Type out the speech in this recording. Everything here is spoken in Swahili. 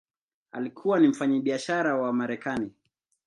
Alikuwa ni mfanyabiashara wa Marekani.